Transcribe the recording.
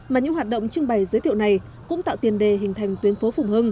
mà những hoạt động trưng bày giới thiệu này cũng tạo tiền đề hình thành tuyến phố phùng hưng